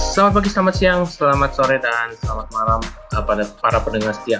selamat pagi selamat siang selamat sore dan selamat malam kepada para pendengar setiap